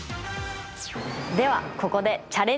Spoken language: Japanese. ではここでチャレンジ問題です。